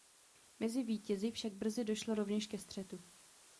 Mezi vítězi však brzy došlo rovněž ke střetu.